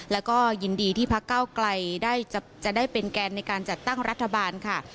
แล้วก็ยินดีที่พักเก้าไกลจะได้เป็นแกนในการจัดตั้งรัฐบาลค่ะ